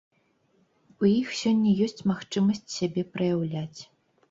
У іх сёння ёсць магчымасць сябе праяўляць.